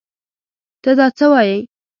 تۀ دا څه وايې ؟